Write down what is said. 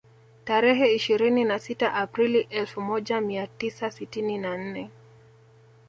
Tarehe ishirini na sita Aprili elfu moja mia tisa sitini na nne